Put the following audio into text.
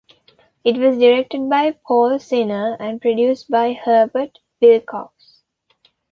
It was directed by Paul Czinner and produced by Herbert Wilcox.